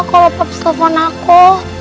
kalau paps telfon aku